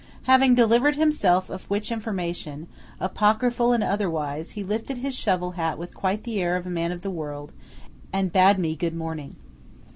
Having delivered himself of which information, apocryphal and otherwise, he lifted his shovel hat with quite the air of a man of the world, and bade me good morning.